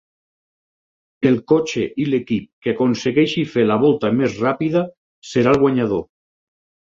El cotxe i l'equip que aconsegueixi fer la volta més ràpida serà el guanyador.